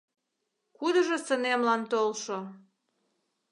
Кудыжо сынемлан толшо